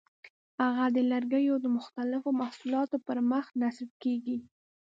هغه د لرګیو د مختلفو محصولاتو پر مخ نصب کېږي.